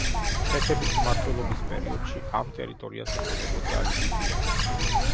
ხეთების მმართველობის პერიოდში ამ ტერიტორიას ეწოდებოდა ლიკია.